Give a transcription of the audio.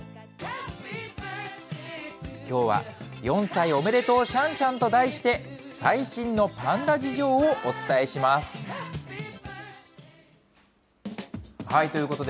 きょうは４歳おめでとうシャンシャンと題して、最新のパンダ事情をお伝えします。ということで、